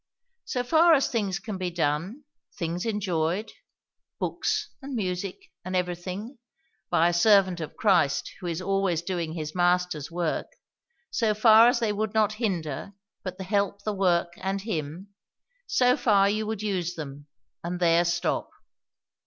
"So far as things can be done, things enjoyed, books and music and everything, by a servant of Christ who is always doing his Master's work; so far as they would not hinder but help the work and him; so far you would use them, and there stop."